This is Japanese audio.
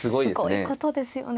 すごいことですよね。